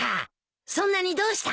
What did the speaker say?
そんなにどうしたんだ？